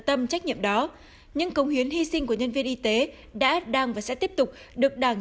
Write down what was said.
tâm trách nhiệm đó những công hiến hy sinh của nhân viên y tế đã đang và sẽ tiếp tục được đảng